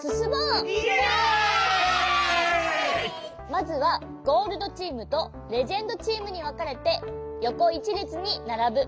まずはゴールドチームとレジェンドチームにわかれてよこ１れつにならぶ。